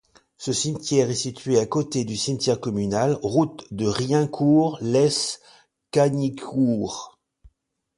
Ce cimetière est situé à côté du cimetière communal, route de Riencourt-lès-Cagnicourt.